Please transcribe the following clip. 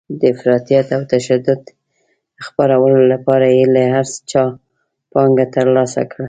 د افراطیت او تشدد خپرولو لپاره یې له هر چا پانګه ترلاسه کړه.